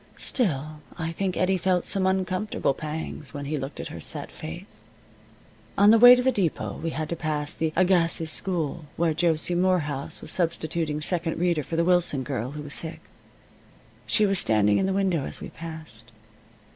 Still, I think Eddie felt some uncomfortable pangs when he looked at her set face. On the way to the depot we had to pass the Agassiz School, where Josie Morehouse was substituting second reader for the Wilson girl, who was sick. She was standing in the window as we passed.